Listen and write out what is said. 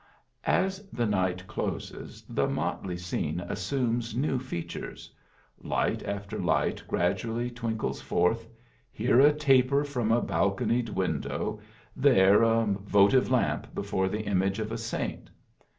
As the night closes, the motley scene assumes new features. Light after light gradually twinkles forth ; here a taper from a balconied window ; there a votive lamp before the image of a saint.